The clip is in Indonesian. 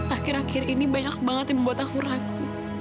akhir akhir ini banyak banget yang membuat aku ragu